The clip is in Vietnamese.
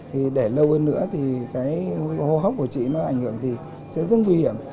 thì để lâu hơn nữa thì cái hô hốc của chị nó ảnh hưởng thì sẽ rất nguy hiểm